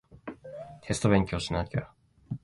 テスト勉強しなきゃ